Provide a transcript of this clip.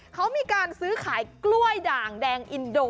เขามีการซื้อขายกล้วยด่างแดงอินโด